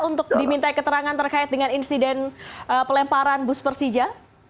untuk diminta keterangan terkait dengan insiden pelemparan bus persija